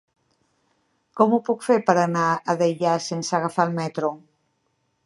Com ho puc fer per anar a Deià sense agafar el metro?